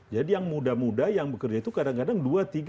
jadi yang muda muda yang bekerja itu kadang kadang dua tiga empat